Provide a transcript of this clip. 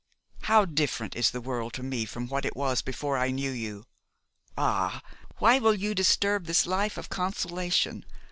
How different is the world to me from what it was before I knew you! Ah, why will you disturb this life of consolation?